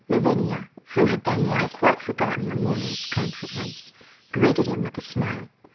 Lavinia, who had by now quite forgotten the morning's contretemps, greeted him with a smile.